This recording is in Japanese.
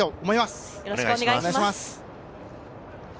よろしくお願いします。